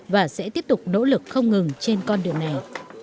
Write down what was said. và sẽ tiếp tục nỗ lực không ngừng trên con đường này